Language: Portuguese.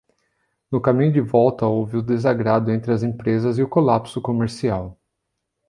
No caminho de volta houve o desagrado entre as empresas e o colapso comercial.